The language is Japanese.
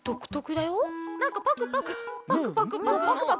なんかパクパクパクパクパク。